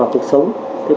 chúng tôi đã bảo